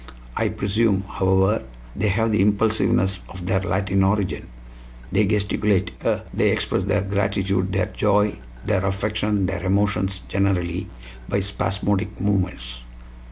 I presume, however, they have the impulsiveness of their Latin origin. They gesticulate eh? They express their gratitude, their joy, their affection, their emotions generally, by spasmodic movements?